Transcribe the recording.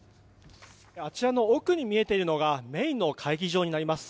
あちらの奥に見えているのがメインの会議場になります。